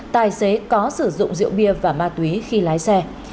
tài xế có sử dụng rượu bia và ma túy khi lái xe